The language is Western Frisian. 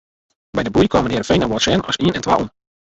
By de boei kamen Hearrenfean en Wâldsein as ien en twa om.